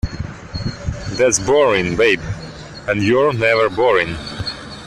That's boring, babe, and you're never boring!